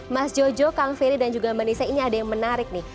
mas jojo kang ferry dan juga mbak nisa ini ada yang menarik nih